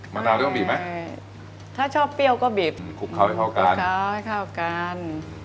มะนาวจะต้องบีบไหมใช่ถ้าชอบเปรี้ยวก็บีบคลุกเขาให้เข้ากันเช้าให้เข้ากัน